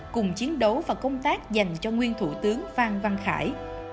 cùng chiến đấu và công tác dành cho nguyên thủ tướng phan văn khải